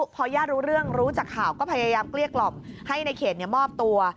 พอญาติรู้เรื่องรู้จากข่าวก็พยายามเกลี้ยกล่อมให้ในเขตมอบตัว